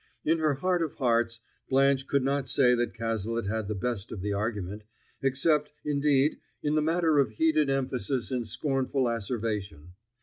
In her heart of hearts Blanche could not say that Cazalet had the best of the argument, except, indeed, in the matter of heated emphasis and scornful asseveration.